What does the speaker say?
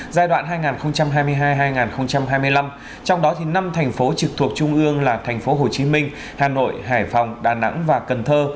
giai đoạn hai nghìn hai mươi hai hai nghìn hai mươi năm trong đó năm thành phố trực thuộc trung ương là thành phố hồ chí minh hà nội hải phòng đà nẵng và cần thơ